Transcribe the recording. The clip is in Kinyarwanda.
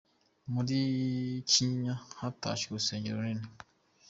Muri cyinyinya Hatashywe urusengero Runini